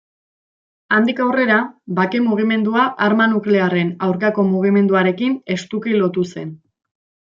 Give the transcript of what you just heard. Handik aurrera, bake-mugimendua arma nuklearren aurkako mugimenduarekin estuki lotu zen.